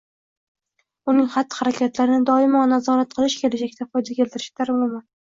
uning xatti-harakatlarini doimo nazorat qilish kelajakda foyda keltirishi dargumon.